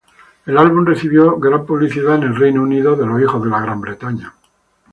El álbum recibió gran publicidad en el Reino Unido.